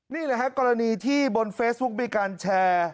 นี่แหละฮะกรณีที่บนเฟซบุ๊กมีการแชร์